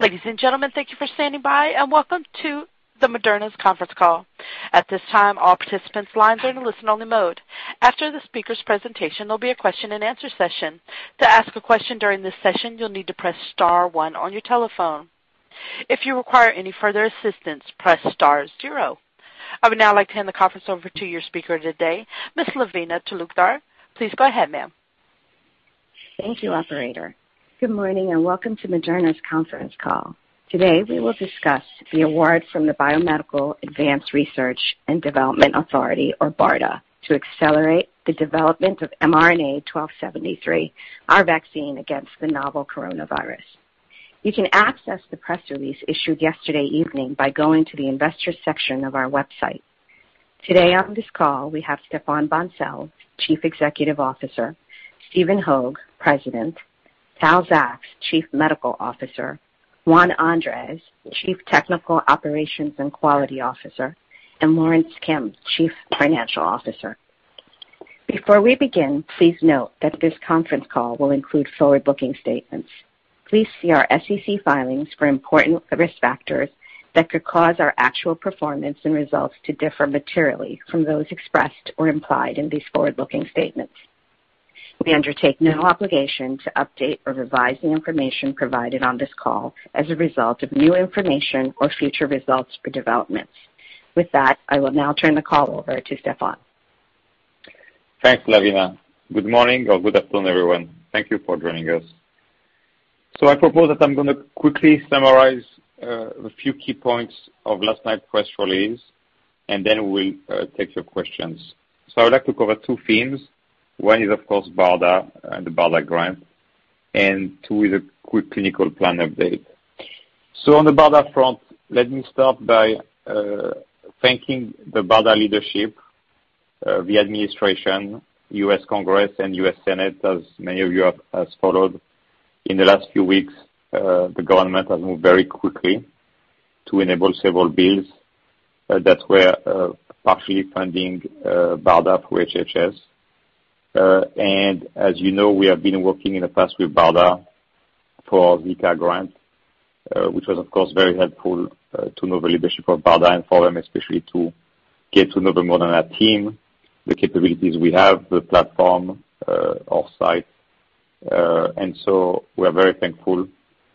Ladies and gentlemen, thank you for standing by, and welcome to Moderna's conference call. At this time, all participants lines are in a listen-only mode. After the speaker's presentation, there'll be a question and answer session. To ask a question during this session, you'll need to press star one on your telephone. If you require any further assistance, press star zero. I would now like to hand the conference over to your speaker today, Ms. Lavina Talukdar. Please go ahead, ma'am. Thank you, operator. Good morning, and welcome to Moderna's conference call. Today, we will discuss the award from the Biomedical Advanced Research and Development Authority, or BARDA, to accelerate the development of mRNA-1273, our vaccine against the novel coronavirus. You can access the press release issued yesterday evening by going to the investors section of our website. Today on this call, we have Stéphane Bancel, Chief Executive Officer, Stephen Hoge, President, Tal Zaks, Chief Medical Officer, Juan Andres, Chief Technical Operations and Quality Officer, and Lorence Kim, Chief Financial Officer. Before we begin, please note that this conference call will include forward-looking statements. Please see our SEC filings for important risk factors that could cause our actual performance and results to differ materially from those expressed or implied in these forward-looking statements. We undertake no obligation to update or revise the information provided on this call as a result of new information or future results or developments. With that, I will now turn the call over to Stéphane. Thanks, Lavina. Good morning or good afternoon, everyone. Thank you for joining us. I propose that I'm going to quickly summarize a few key points of last night's press release, and then we'll take your questions. I would like to cover two themes. One is, of course, BARDA and the BARDA grant, and two is a quick clinical plan update. On the BARDA front, let me start by thanking the BARDA leadership, the administration, U.S. Congress, and U.S. Senate. As many of you have followed in the last few weeks, the government has moved very quickly to enable several bills that were partially funding BARDA through HHS. As you know, we have been working in the past with BARDA for the CAR grant, which was, of course, very helpful to know the leadership of BARDA and for them especially to get to know the Moderna team, the capabilities we have, the platform, our site. We are very thankful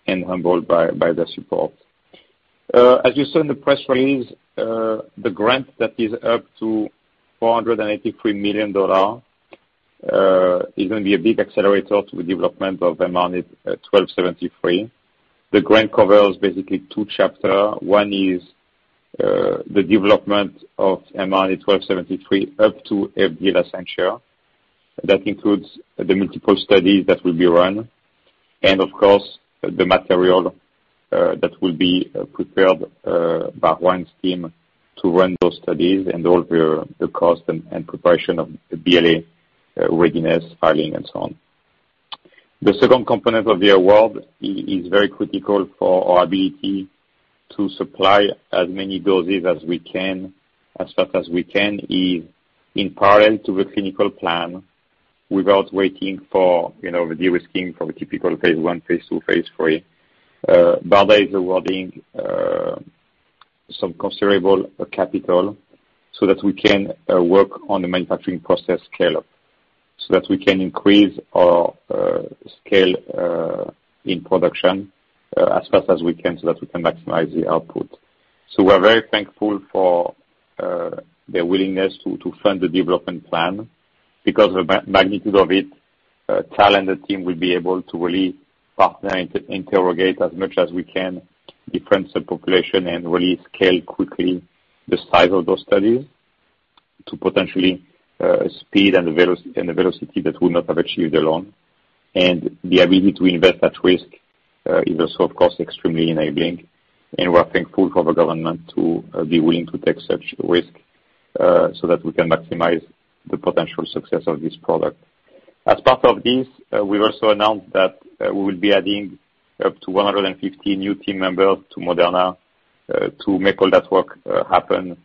and humbled by their support. As you saw in the press release, the grant that is up to $483 million is going to be a big accelerator to the development of mRNA-1273. The grant covers basically two chapters. One is the development of mRNA-1273 up to that includes the multiple studies that will be run, and of course, the material that will be prepared by Juan's team to run those studies and all the cost and preparation of the BLA readiness filing and so on. The second component of the award is very critical for our ability to supply as many doses as we can, as fast as we can, in parallel to the clinical plan, without waiting for the de-risking from a typical phase I, phase II, phase III. BARDA is awarding some considerable capital so that we can work on the manufacturing process scale-up, so that we can increase our scale in production as fast as we can so that we can maximize the output. We're very thankful for their willingness to fund the development plan. Because of the magnitude of it, Tal and the team will be able to really partner and interrogate as much as we can different subpopulation and really scale quickly the size of those studies to potentially speed and the velocity that we would not have achieved alone. The ability to invest that risk is also, of course, extremely enabling, and we're thankful for the government to be willing to take such risk so that we can maximize the potential success of this product. As part of this, we've also announced that we will be adding up to 150 new team members to Moderna to make all that work happen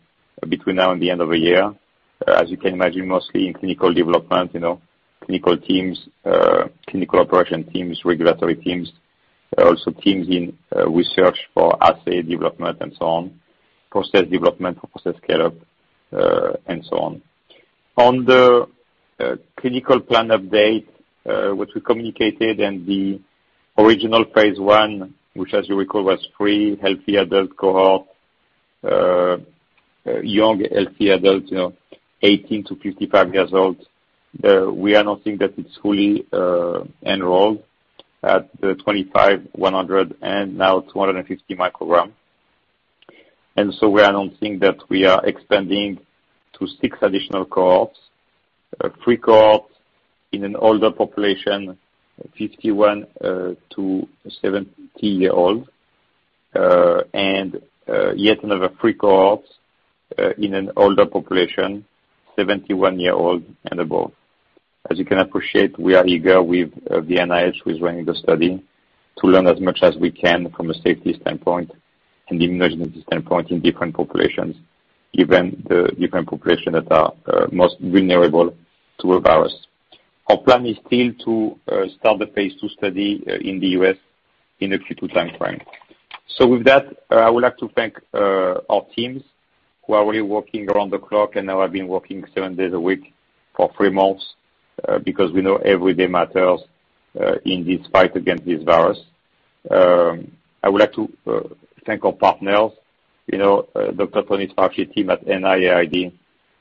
between now and the end of the year. As you can imagine, mostly in clinical development, clinical teams, clinical operation teams, regulatory teams. Also teams in research for assay development and so on, process development for process scale-up, and so on. On the clinical plan update, which we communicated in the original phase I, which as you recall, was three healthy adult cohort, young healthy adult, 18 to 55 years old. We are announcing that it's fully enrolled at the 25, 100, and now 250 microgram. We are announcing that we are expanding to 6 additional cohorts. 3 cohorts in an older population, 51 to 70 year old, and yet another 3 cohorts in an older population, 71 year old and above. As you can appreciate, we are eager with the NIH who is running the study to learn as much as we can from a safety standpoint and immunogenicity standpoint in different populations. Given the different population that are most vulnerable to a virus. Our plan is still to start the phase II study in the U.S. in a future time frame. With that, I would like to thank our teams who are really working around the clock and now have been working seven days a week for three months, because we know every day matters in this fight against this virus. I would like to thank our partners. Dr. Tony Fauci team at NIAID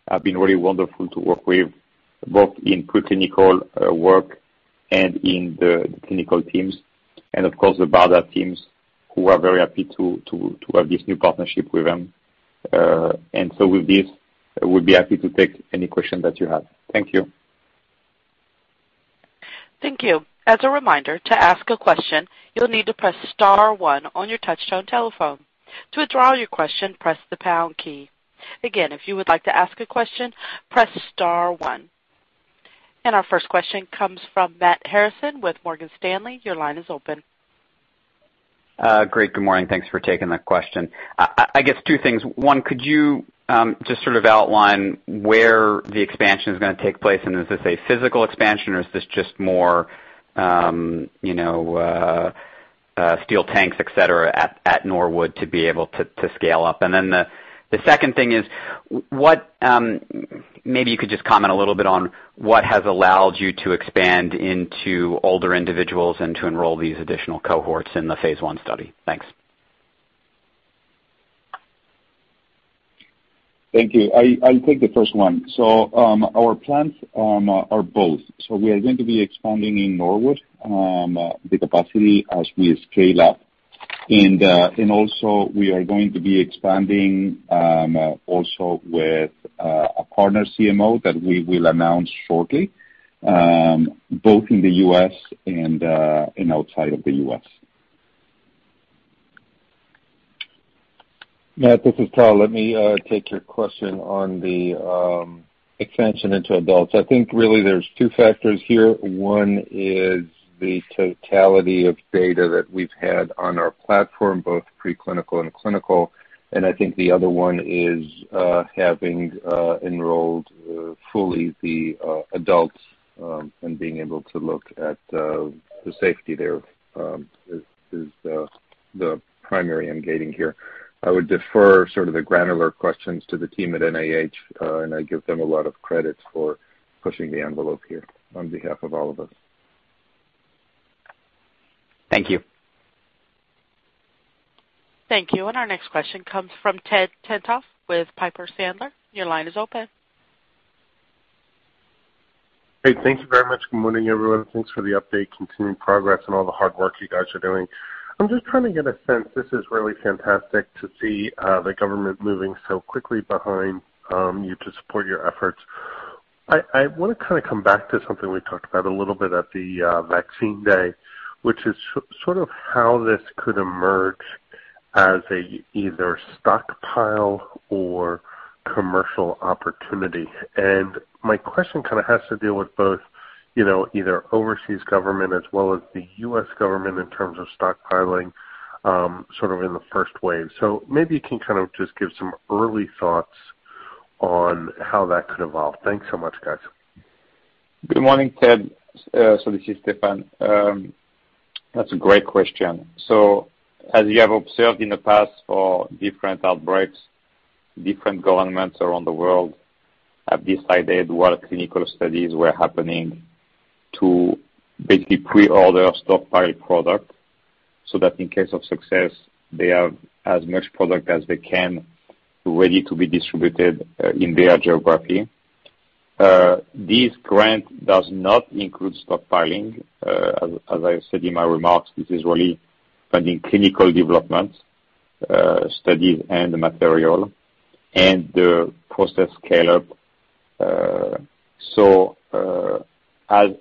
have been really wonderful to work with, both in preclinical work and in the clinical teams, and of course, the BARDA teams, who are very happy to have this new partnership with them. With this, we'll be happy to take any question that you have. Thank you. Thank you. As a reminder, to ask a question, you'll need to press star one on your touch-tone telephone. To withdraw your question, press the pound key. Again, if you would like to ask a question, press star one. Our first question comes from Matthew Harrison with Morgan Stanley. Your line is open. Great. Good morning. Thanks for taking my question. I guess two things. One, could you just sort of outline where the expansion is going to take place? Is this a physical expansion or is this just more steel tanks, et cetera, at Norwood to be able to scale up? The second thing is, maybe you could just comment a little bit on what has allowed you to expand into older individuals and to enroll these additional cohorts in the phase I study. Thanks. Thank you. I'll take the first one. Our plans are both. We are going to be expanding in Norwood, the capacity as we scale up. We are going to be expanding also with a partner CMO that we will announce shortly, both in the U.S. and outside of the U.S. Matt, this is Tal. Let me take your question on the expansion into adults. I think really there's two factors here. One is the totality of data that we've had on our platform, both pre-clinical and clinical. I think the other one is having enrolled fully the adults and being able to look at the safety there, is the primary engaging here. I would defer sort of the granular questions to the team at NIH, and I give them a lot of credit for pushing the envelope here on behalf of all of us. Thank you. Thank you. Our next question comes from Ted Tenthoff with Piper Sandler. Your line is open. Hey, thank you very much. Good morning, everyone. Thanks for the update, continued progress and all the hard work you guys are doing. I'm just trying to get a sense. This is really fantastic to see the government moving so quickly behind you to support your efforts. I want to kind of come back to something we talked about a little bit at the vaccine day, which is sort of how this could emerge as either stockpile or commercial opportunity. My question kind of has to deal with both either overseas government as well as the U.S. government in terms of stockpiling sort of in the first wave. Maybe you can kind of just give some early thoughts on how that could evolve. Thanks so much, guys. Good morning, Ted. This is Stéphane. That's a great question. As you have observed in the past for different outbreaks, different governments around the world have decided what clinical studies were happening to basically pre-order stockpile product so that in case of success, they have as much product as they can ready to be distributed in their geography. This grant does not include stockpiling. As I said in my remarks, this is really funding clinical development studies and material and the process scale-up.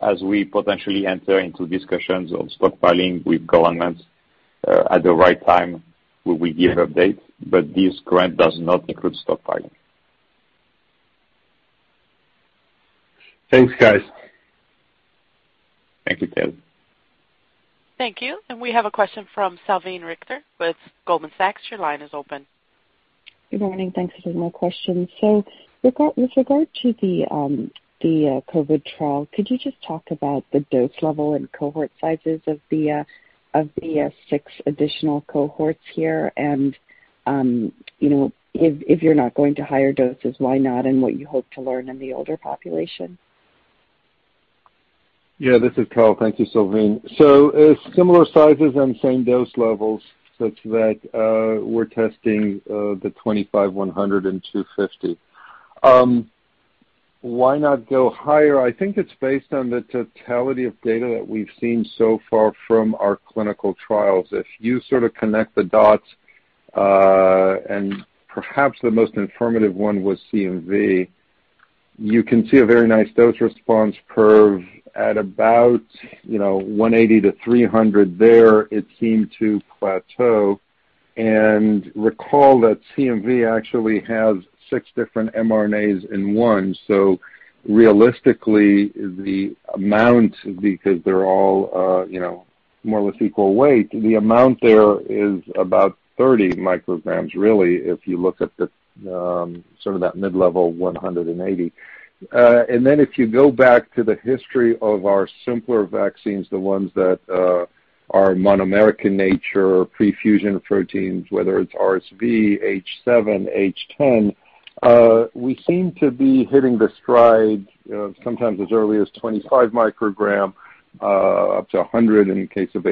As we potentially enter into discussions of stockpiling with governments at the right time, we will give updates, but this grant does not include stockpiling. Thanks, guys. Thank you, Ted. Thank you. We have a question from Salveen Richter with Goldman Sachs. Your line is open. Good morning. Thanks for taking my question. With regard to the COVID trial, could you just talk about the dose level and cohort sizes of the six additional cohorts here? If you're not going to higher doses, why not, and what you hope to learn in the older population? Yeah, this is Tal. Thank you, Salveen. Similar sizes and same dose levels such that we're testing the 25, 100, and 250. Why not go higher? I think it's based on the totality of data that we've seen so far from our clinical trials. If you sort of connect the dots, perhaps the most affirmative one was CMV, you can see a very nice dose response curve at about 180 to 300 there it seemed to plateau. Recall that CMV actually has six different mRNAs in one. Realistically, the amount, because they're More or less equal weight. The amount there is about 30 micrograms, really, if you look at that mid-level 180. If you go back to the history of our simpler vaccines, the ones that are monomeric in nature, pre-fusion proteins, whether it's RSV, H7N9, H10N8, we seem to be hitting the stride sometimes as early as 25 microgram, up to 100 in the case of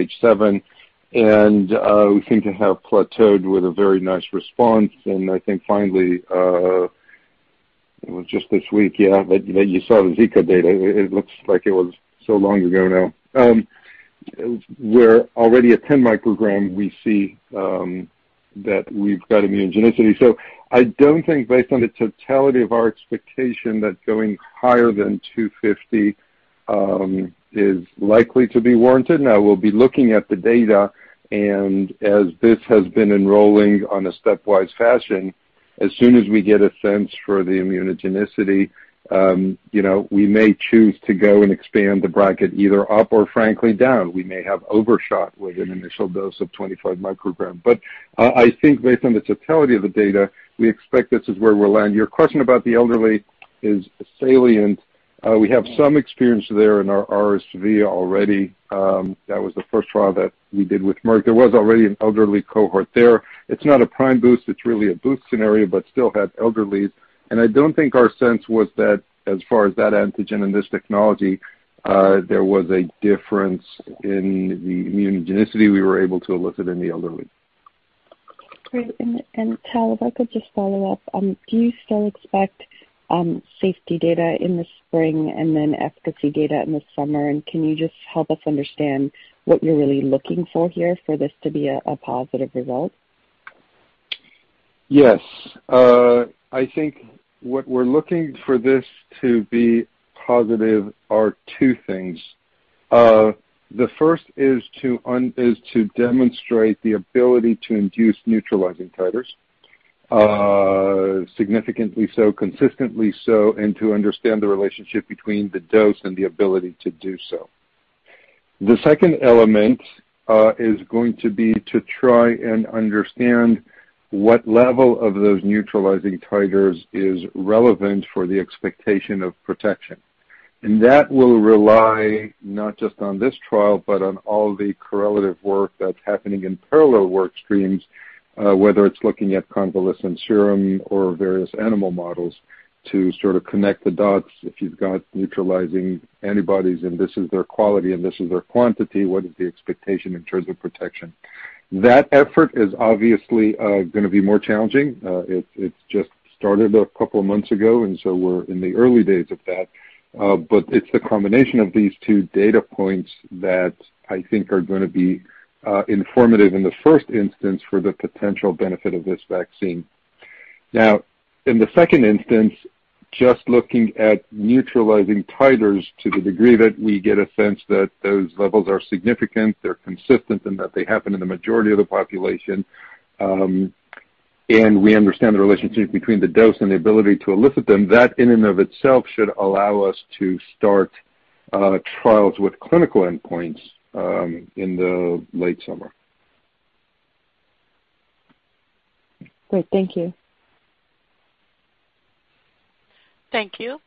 H7N9. We seem to have plateaued with a very nice response. I think finally, it was just this week that you saw the Zika data. It looks like it was so long ago now. Already at 10 micrograms we see that we've got immunogenicity. I don't think based on the totality of our expectation that going higher than 250 is likely to be warranted. Now we'll be looking at the data, and as this has been enrolling on a stepwise fashion, as soon as we get a sense for the immunogenicity, we may choose to go and expand the bracket either up or frankly down. We may have overshot with an initial dose of 25 micrograms. I think based on the totality of the data, we expect this is where we'll land. Your question about the elderly is salient. We have some experience there in our RSV already. That was the first trial that we did with Merck. There was already an elderly cohort there. It's not a prime boost, it's really a boost scenario, but still had elderlies. I don't think our sense was that as far as that antigen and this technology, there was a difference in the immunogenicity we were able to elicit in the elderly. Great. Tal, if I could just follow up. Do you still expect safety data in the spring and then efficacy data in the summer? Can you just help us understand what you're really looking for here for this to be a positive result? Yes. I think what we're looking for this to be positive are two things. The first is to demonstrate the ability to induce neutralizing titers, significantly so, consistently so, and to understand the relationship between the dose and the ability to do so. The second element is going to be to try and understand what level of those neutralizing titers is relevant for the expectation of protection. That will rely not just on this trial, but on all the correlative work that's happening in parallel work streams, whether it's looking at convalescent serum or various animal models to sort of connect the dots. If you've got neutralizing antibodies, and this is their quality, and this is their quantity, what is the expectation in terms of protection? That effort is obviously going to be more challenging. It's just started a couple of months ago, and so we're in the early days of that. It's the combination of these two data points that I think are going to be informative in the first instance for the potential benefit of this vaccine. In the second instance, just looking at neutralizing titers to the degree that we get a sense that those levels are significant, they're consistent, and that they happen in the majority of the population, and we understand the relationship between the dose and the ability to elicit them, that in and of itself should allow us to start trials with clinical endpoints in the late summer. Great. Thank you. Thank you.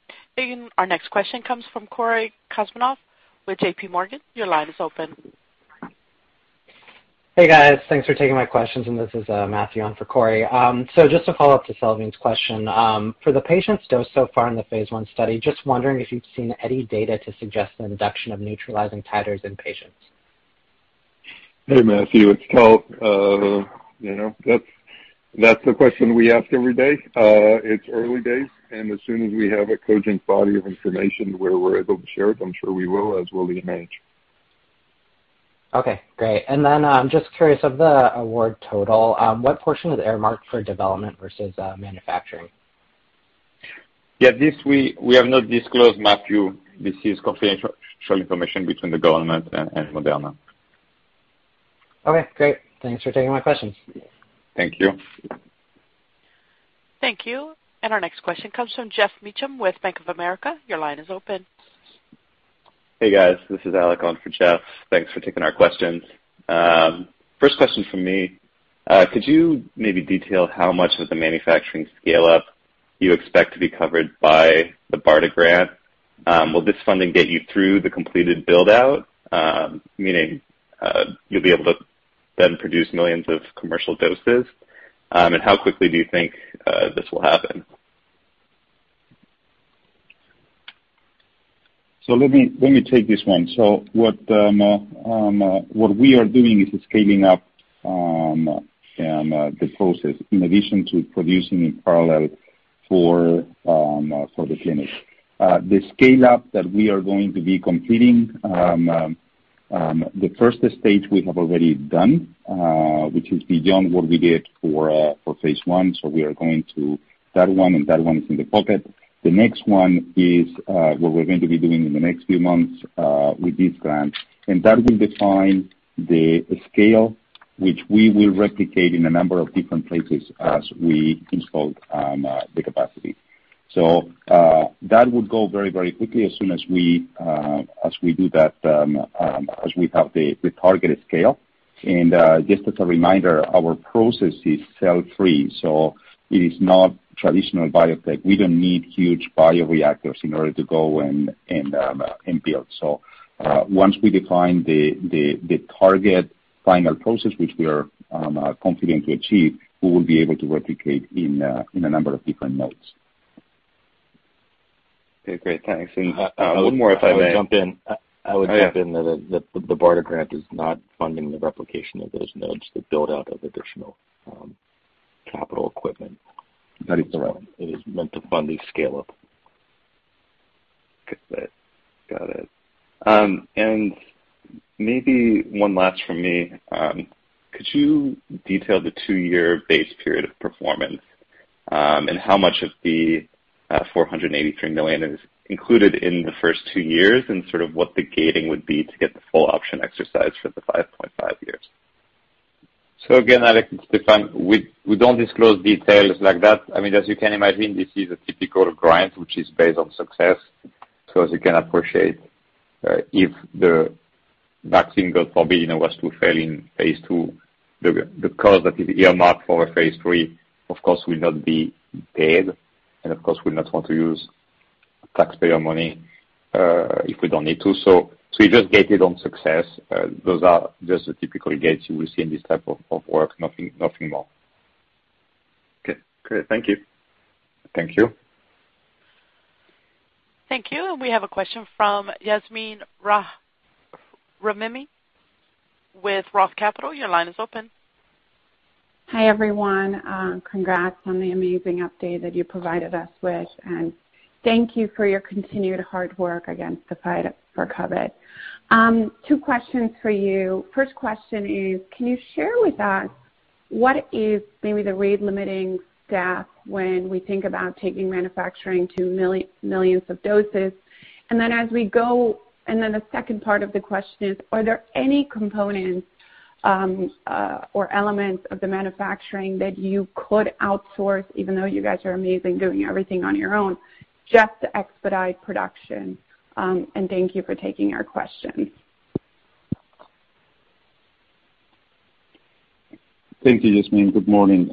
Our next question comes from Cory Kasimov with JP Morgan. Your line is open. Hey, guys. Thanks for taking my questions. This is Matthew on for Cory. Just to follow up to Salveen's question, for the patients dosed so far in the phase I study, just wondering if you've seen any data to suggest an induction of neutralizing titers in patients. Hey, Matthew. It's Tal. That's the question we ask every day. It's early days, and as soon as we have a cogent body of information where we're able to share it, I'm sure we will, as will the NIH. Okay, great. I'm just curious, of the award total, what portion is earmarked for development versus manufacturing? Yeah, this we have not disclosed, Matthew. This is confidential information between the government and Moderna. Okay, great. Thanks for taking my questions. Thank you. Thank you. Our next question comes from Geoff Meacham with Bank of America. Your line is open. Hey, guys. This is Alec on for Geoff. Thanks for taking our questions. First question from me. Could you maybe detail how much of the manufacturing scale-up you expect to be covered by the BARDA grant? Will this funding get you through the completed build-out, meaning you'll be able to then produce millions of commercial doses? How quickly do you think this will happen? Let me take this one. What we are doing is scaling up the process in addition to producing in parallel for the clinic. The scale-up that we are going to be completing, the first stage we have already done, which is beyond what we did for phase I. We are going to that one, and that one is in the pocket. The next one is what we're going to be doing in the next few months with this grant, and that will define the scale, which we will replicate in a number of different places as we install the capacity. That would go very, very quickly as soon as we have the targeted scale. Just as a reminder, our process is cell-free, so it is not traditional biotech. We don't need huge bioreactors in order to go and build. Once we define the target final process, which we are confident to achieve, we will be able to replicate in a number of different nodes. Okay, great. Thanks. One more if I may. I would jump in. Oh, yeah. I would jump in that the BARDA grant is not funding the replication of those nodes, the build-out of additional capital equipment. That is correct. It is meant to fund the scale-up. Got it. Maybe one last from me. Could you detail the two-year base period of performance, and how much of the $483 million is included in the first two years, and sort of what the gating would be to get the full option exercise for the 5.5 years? Again, Alec, it's Stéphane. We don't disclose details like that. As you can imagine, this is a typical grant, which is based on success. As you can appreciate, if the vaccine, God forbid, was to fail in phase II, the cost that is earmarked for a phase III, of course, will not be paid. Of course, we'll not want to use taxpayer money if we don't need to. We just gated on success. Those are just the typical gates you will see in this type of work. Nothing more. Okay, great. Thank you. Thank you. Thank you. We have a question from Yasmeen Rahimi with Roth Capital. Your line is open. Hi, everyone. Congrats on the amazing update that you provided us with, and thank you for your continued hard work against the fight for COVID. Two questions for you. First question is, can you share with us what is maybe the rate-limiting step when we think about taking manufacturing to millions of doses? The second part of the question is, are there any components or elements of the manufacturing that you could outsource, even though you guys are amazing doing everything on your own, just to expedite production? Thank you for taking our question. Thank you, Yasmeen. Good morning.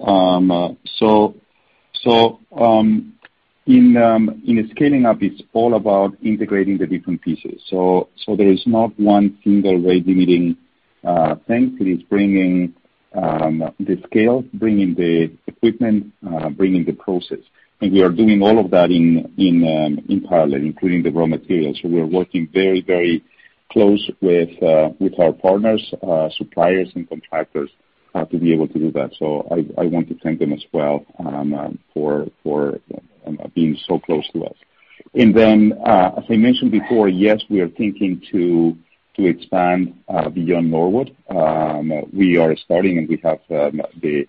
In scaling up, it's all about integrating the different pieces. There is not one single rate-limiting thing. It is bringing the scale, bringing the equipment, bringing the process. We are doing all of that in parallel, including the raw materials. We are working very close with our partners, suppliers, and contractors to be able to do that. I want to thank them as well for being so close to us. As I mentioned before, yes, we are thinking to expand beyond Norwood. We are starting, and we have the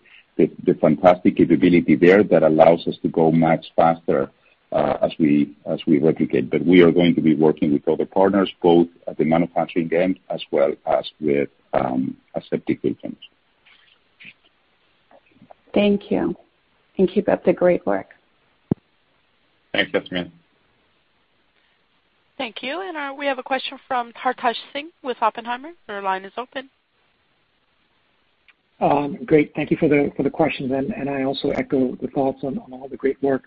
fantastic capability there that allows us to go much faster as we replicate. We are going to be working with other partners, both at the manufacturing end as well as with aseptic agents. Thank you, and keep up the great work. Thanks, Yasmeen. Thank you. We have a question from Hartaj Singh with Oppenheimer & Co. Your line is open. Great. Thank you for the questions. I also echo the thoughts on all the great work.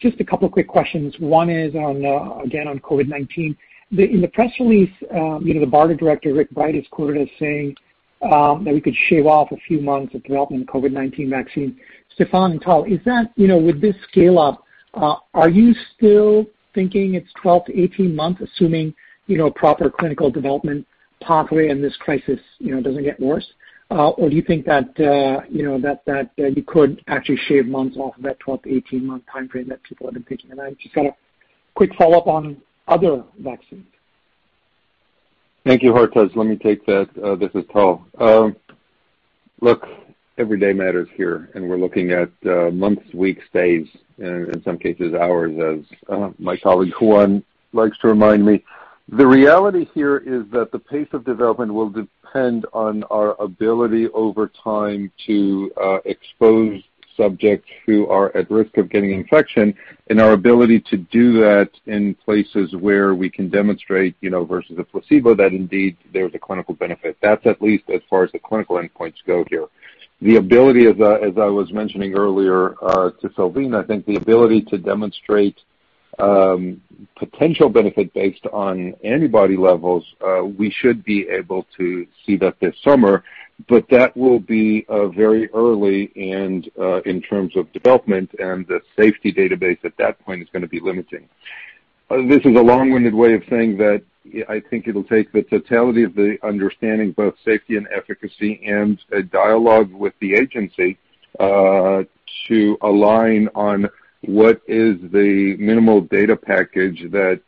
Just a couple of quick questions. One is on, again, on COVID-19. In the press release, the BARDA director, Rick Bright, is quoted as saying that we could shave off a few months of development in COVID-19 vaccine. Stéphane and Tal, with this scale-up, are you still thinking it's 12 to 18 months, assuming proper clinical development pathway and this crisis doesn't get worse? Do you think that you could actually shave months off of that 12 to 18-month timeframe that people have been thinking about? Just got a quick follow-up on other vaccines. Thank you, Hartaj. Let me take that. This is Tal. Look, every day matters here, and we're looking at months, weeks, days, in some cases, hours, as my colleague Juan likes to remind me. The reality here is that the pace of development will depend on our ability over time to expose subjects who are at risk of getting infection, and our ability to do that in places where we can demonstrate versus a placebo that indeed there's a clinical benefit. That's at least as far as the clinical endpoints go here. The ability, as I was mentioning earlier to Salveen, I think the ability to demonstrate potential benefit based on antibody levels, we should be able to see that this summer, but that will be very early in terms of development, and the safety database at that point is going to be limiting. This is a long-winded way of saying that I think it'll take the totality of the understanding both safety and efficacy and a dialogue with the agency to align on what is the minimal data package that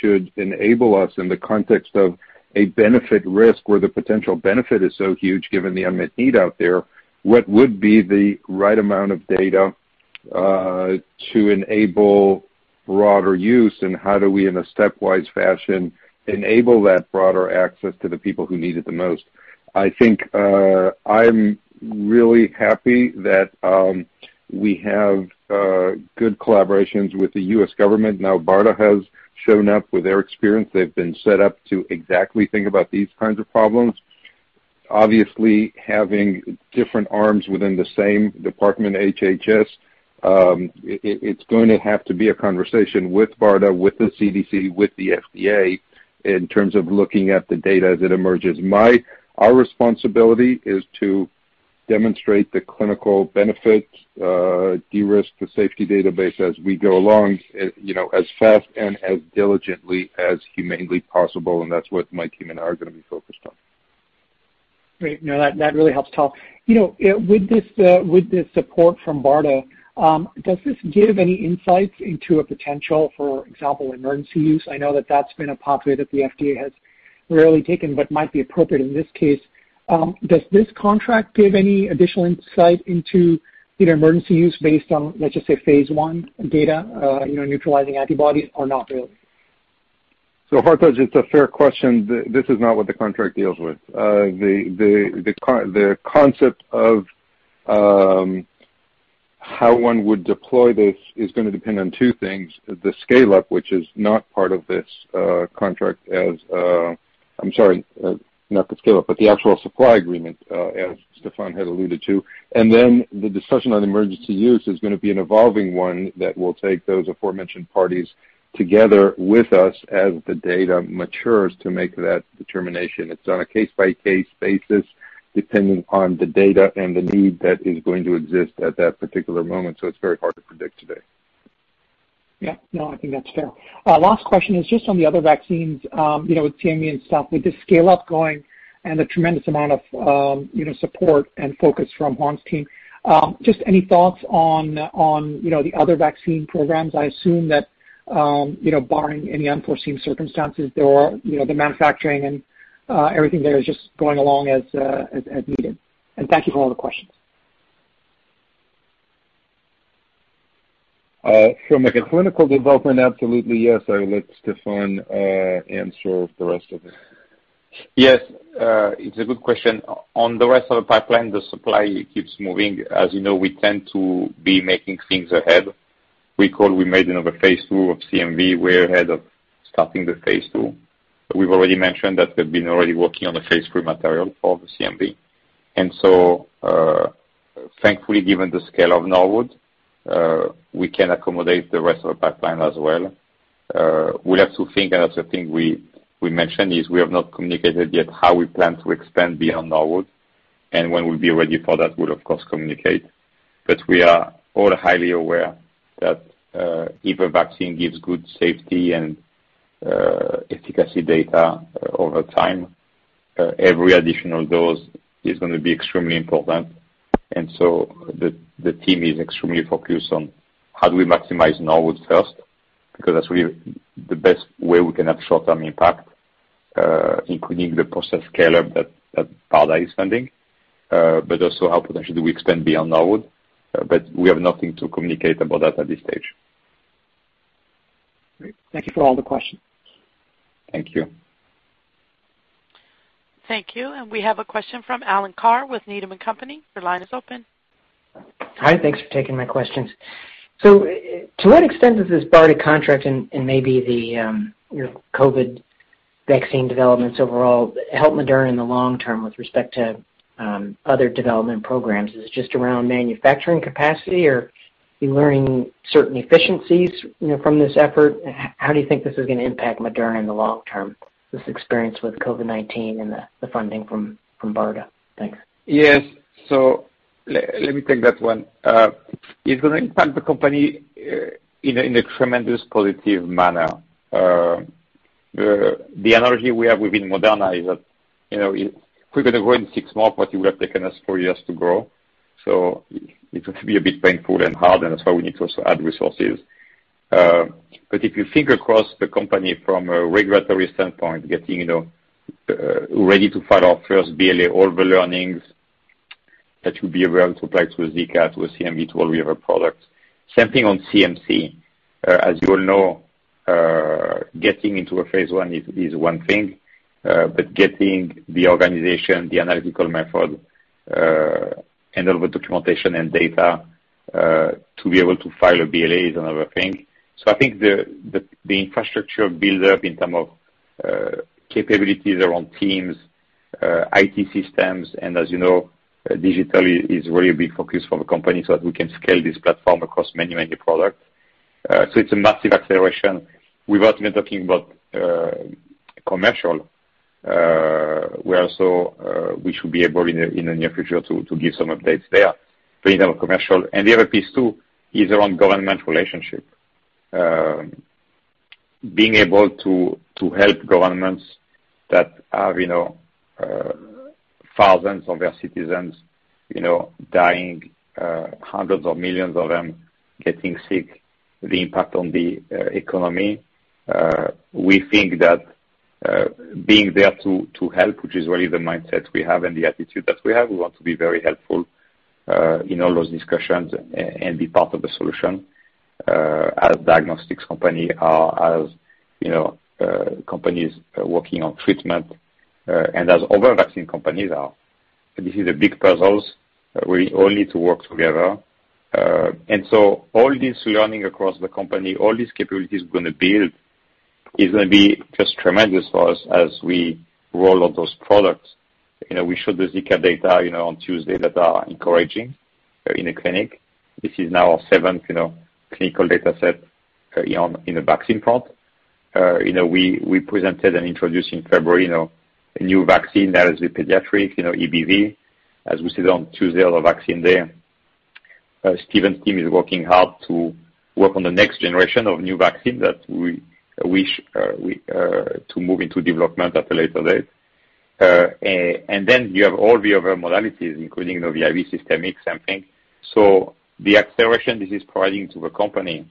should enable us in the context of a benefit risk where the potential benefit is so huge given the unmet need out there, what would be the right amount of data to enable broader use, and how do we, in a stepwise fashion, enable that broader access to the people who need it the most? I think I'm really happy that we have good collaborations with the U.S. government. BARDA has shown up with their experience. They've been set up to exactly think about these kinds of problems. Obviously, having different arms within the same department, HHS, it's going to have to be a conversation with BARDA, with the CDC, with the FDA, in terms of looking at the data as it emerges. Our responsibility is to demonstrate the clinical benefits, de-risk the safety database as we go along, as fast and as diligently as humanely possible, and that's what my team and I are going to be focused on. Great. No, that really helps, Tal. With this support from BARDA, does this give any insights into a potential, for example, emergency use? I know that that's been a pathway that the FDA has rarely taken, but might be appropriate in this case. Does this contract give any additional insight into either emergency use based on, let's just say, phase I data, neutralizing antibodies, or not really? Hartaj, it's a fair question. This is not what the contract deals with. The concept of how one would deploy this is going to depend on two things. The scale-up, which is not part of this contract as I'm sorry, not the scale-up, but the actual supply agreement, as Stéphane had alluded to. The discussion on emergency use is going to be an evolving one that will take those aforementioned parties together with us as the data matures to make that determination. It's on a case-by-case basis, depending on the data and the need that is going to exist at that particular moment. It's very hard to predict today. Yeah. No, I think that's fair. Last question is just on the other vaccines, with CMV and stuff, with the scale-up going and the tremendous amount of support and focus from Juan's team, just any thoughts on the other vaccine programs? I assume that barring any unforeseen circumstances, the manufacturing and everything there is just going along as needed. Thank you for all the questions. From a clinical development, absolutely yes. I'll let Stéphane answer the rest of it. Yes. It's a good question. On the rest of the pipeline, the supply keeps moving. As you know, we tend to be making things ahead. Recall we made another phase II of CMV. We're ahead of starting the phase II. We've already mentioned that we've been already working on the phase III material for the CMV. Thankfully, given the scale of Norwood, we can accommodate the rest of the pipeline as well. We'll have to think, and that's the thing we mentioned, is we have not communicated yet how we plan to expand beyond Norwood. When we'll be ready for that, we'll of course communicate. We are all highly aware that if a vaccine gives good safety and efficacy data over time, every additional dose is going to be extremely important. The team is extremely focused on how do we maximize Norwood first, because that's really the best way we can have short-term impact, including the process scale-up that BARDA is funding, but also how potentially do we expand beyond Norwood. We have nothing to communicate about that at this stage. Great. Thank you for all the questions. Thank you. Thank you. We have a question from Alan Carr with Needham & Company. Your line is open. Hi. Thanks for taking my questions. To what extent does this BARDA contract and maybe your COVID vaccine developments overall help Moderna in the long term with respect to other development programs? Is it just around manufacturing capacity, or are you learning certain efficiencies from this effort? How do you think this is going to impact Moderna in the long term, this experience with COVID-19 and the funding from BARDA? Thanks. Yes. Let me take that one. It's going to impact the company in a tremendous positive manner. The analogy we have within Moderna is that we're going to grow in six months what it would have taken us four years to grow. It will be a bit painful and hard, and that's why we need to also add resources. If you think across the company from a regulatory standpoint, getting ready to file our first BLA, all the learnings that will be relevant to apply to a Zika, to a CMV, to all the other products. Same thing on CMC. As you all know, getting into a phase I is one thing, but getting the organization, the analytical method, and all the documentation and data to be able to file a BLA is another thing. I think the infrastructure build-up in terms of capabilities around teams, IT systems, and as you know, digitally is very big focus for the company so that we can scale this platform across many products. It's a massive acceleration. We've also been talking about commercial. We should be able in the near future to give some updates there. We have commercial, and the other piece too is around government relationship. Being able to help governments that have thousands of their citizens dying, hundreds of millions of them getting sick, the impact on the economy. We think that being there to help, which is really the mindset we have and the attitude that we have, we want to be very helpful in all those discussions and be part of the solution, as diagnostics company are, as companies working on treatment, and as other vaccine companies are. This is a big puzzle. We all need to work together. So all this learning across the company, all these capabilities we're going to build is going to be just tremendous for us as we roll out those products. We showed the Zika data on Tuesday that are encouraging in a clinic. This is now our seventh clinical data set in the vaccine front. We presented and introduced in February, a new vaccine that is the pediatric EBV. As we said on Tuesday, on the vaccine day. Stephen's team is working hard to work on the next generation of new vaccine that we wish to move into development at a later date. You have all the other modalities, including the IV systemic sampling. The acceleration this is providing to the company,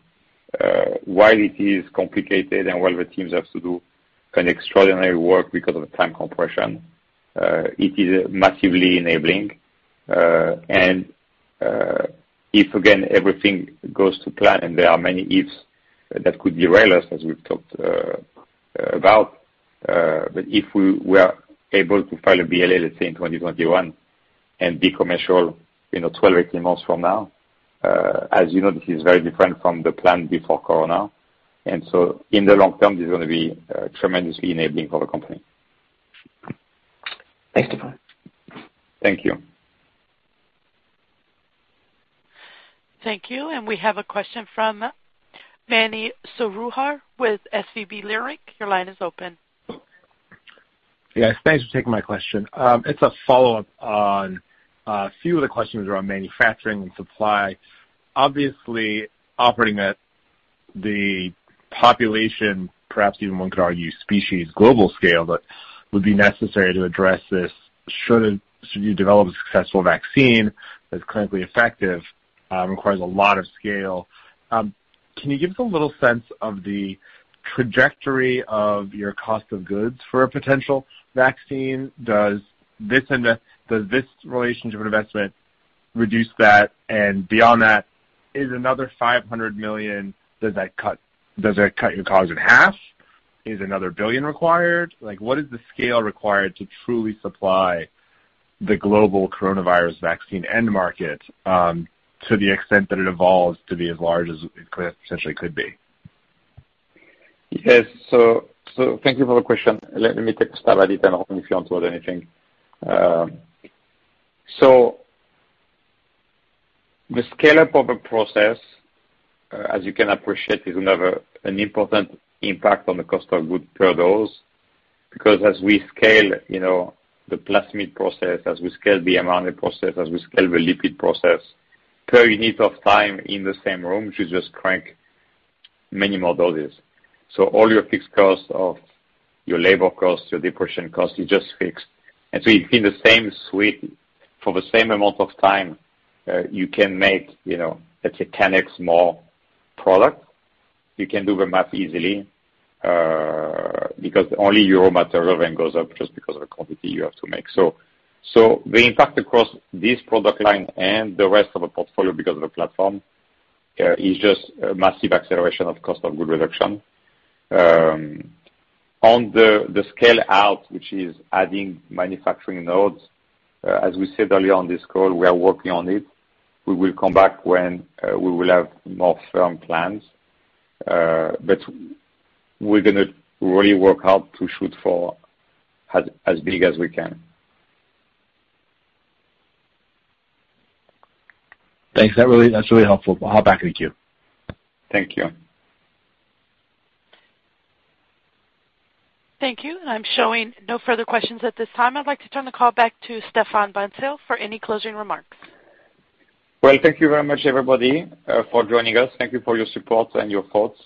while it is complicated and while the teams have to do an extraordinary work because of the time compression, it is massively enabling. If again, everything goes to plan, and there are many ifs that could derail us, as we've talked about, but if we are able to file a BLA, let's say in 2021, and be commercial 12, 18 months from now. As you know, this is very different from the plan before Coronavirus. In the long term, this is going to be tremendously enabling for the company. Thanks, Stéphane. Thank you. Thank you. We have a question from Mani Foroohar with SVB Leerink. Your line is open. Yes, thanks for taking my question. It's a follow-up on a few of the questions around manufacturing and supply. Obviously, operating at the population, perhaps even one could argue species global scale, but would be necessary to address this should you develop a successful vaccine that's clinically effective, requires a lot of scale. Can you give us a little sense of the trajectory of your cost of goods for a potential vaccine? Does this relationship and investment reduce that? Beyond that, is another $500 million, does that cut your cost in half? Is another $1 billion required? What is the scale required to truly supply the global Coronavirus vaccine end market to the extent that it evolves to be as large as it essentially could be? Yes. Thank you for the question. Let me take a stab at it, and, Juan Andres, if you want to add anything. The scale-up of a process, as you can appreciate, is an important impact on the cost of goods per dose. Because as we scale the plasmid process, as we scale the mRNA process, as we scale the lipid process, per unit of time in the same room, we should just crank many more doses. All your fixed costs of your labor costs, your depreciation costs, you just fixed. In the same suite for the same amount of time, you can make let's say 10x more product. You can do the math easily, because only your raw material then goes up just because of the quantity you have to make. The impact across this product line and the rest of the portfolio, because of the platform, is just a massive acceleration of cost of goods reduction. On the scale-out, which is adding manufacturing nodes, as we said earlier on this call, we are working on it. We will come back when we will have more firm plans. We're going to really work hard to shoot for as big as we can. Thanks. That's really helpful. I'll back it with you. Thank you. Thank you. I'm showing no further questions at this time. I'd like to turn the call back to Stéphane Bancel for any closing remarks. Well, thank you very much, everybody, for joining us. Thank you for your support and your thoughts.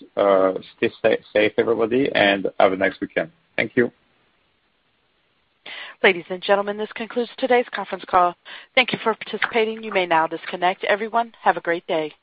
Stay safe, everybody, and have a nice weekend. Thank you. Ladies and gentlemen, this concludes today's conference call. Thank you for participating. You may now disconnect. Everyone, have a great day.